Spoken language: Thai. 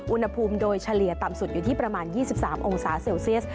อุณหภูมิโดยเฉลี่ยต่ำสุดอยู่ที่ประมาณ๒๓องศาเซลเซียส